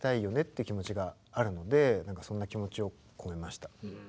いう気持ちがあるのでそんな気持ちを込めました。